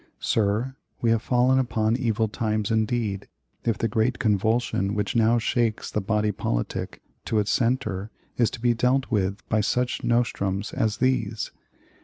Sir, we have fallen upon evil times indeed, if the great convulsion which now shakes the body politic to its center is to be dealt with by such nostrums as these.